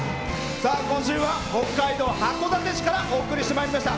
今週は北海道函館市からお送りしてまいりました。